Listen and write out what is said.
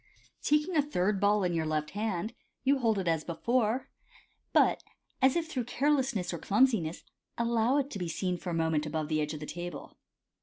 Taking a third ball in your left hand, you hold it as before, but, as if through carelessness or clumsiness, allow it to be seen for a moment above the edge of the table.